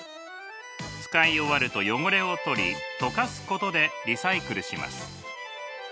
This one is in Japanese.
使い終わると汚れを取り溶かすことでリサイクルします。